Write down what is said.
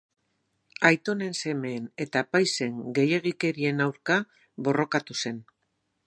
Aitonen semeen eta apaizen gehiegikerien aurka borrokatu zen.